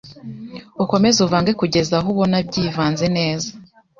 ukomeze uvange kugeza aho ubona byivanze neza